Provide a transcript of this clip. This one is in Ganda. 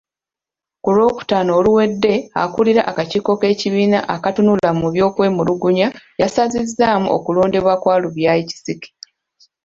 Ku Lwokutaano oluwedde, akulira akakiiko k'ekibiina akatunula mu kwemulugunya yasazizzaamu okulondebwa kwa Lubyayi Kisiki.